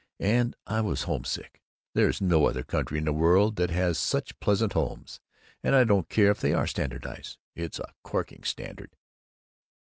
And I was homesick! There's no other country in the world that has such pleasant houses. And I don't care if they are standardized. It's a corking standard!